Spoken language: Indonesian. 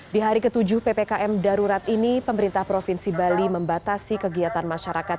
di hari ke tujuh ppkm darurat ini pemerintah provinsi bali membatasi kegiatan masyarakat